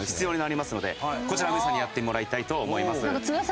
こちら皆さんにやってもらいたいと思います。